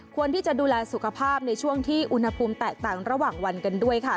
ที่จะดูแลสุขภาพในช่วงที่อุณหภูมิแตกต่างระหว่างวันกันด้วยค่ะ